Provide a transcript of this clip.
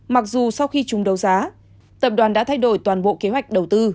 mặc dù sau khi chúng đấu giá tập đoàn đã thay đổi toàn bộ kế hoạch đầu tư